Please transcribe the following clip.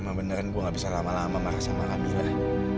emang beneran gue gak bisa lama lama marah sama alhamdulillah